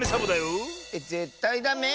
えっぜったいダメ？